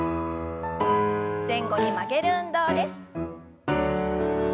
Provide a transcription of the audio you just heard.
前後に曲げる運動です。